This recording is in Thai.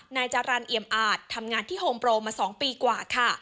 นายจรรย์เอี่ยมอาจทำงานที่โฮมโปรมา๒ปีกว่าค่ะ